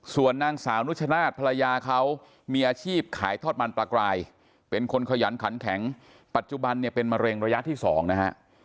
ส่วนนางสาวนุชนาธิ์ภรรยาเขามีอาชีพขายทอดมันปลากรายเป็นคนขยันขันแข็งปัจจุบันเนี่ยเป็นมะเร็งระยะที่๒นะฮะ